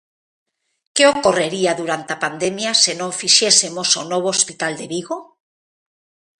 ¿Que ocorrería durante a pandemia se non fixésemos o novo hospital de Vigo?